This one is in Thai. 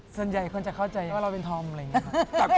ส่วนใหญ่คนจะเข้าใจว่าเราเป็นธอมอะไรอย่างนี้ค่ะ